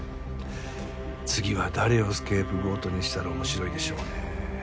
次は誰をスケープゴートにしたら面白いでしょうね？